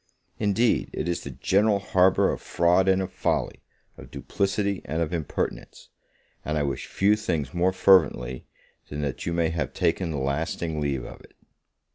Indeed it is the general harbour of fraud and of folly, of duplicity and of impertinence; and I wish few things more fervently, than that you may have taken a lasting leave of it.